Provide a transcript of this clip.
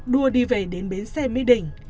đua đi về đến bến xe mỹ đỉnh